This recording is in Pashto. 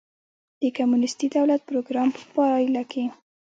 د کمونېستي دولت پروګرام په پایله کې.